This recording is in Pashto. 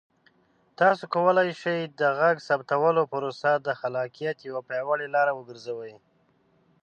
تاسو کولی شئ د غږ ثبتولو پروسه د خلاقیت یوه پیاوړې لاره وګرځوئ.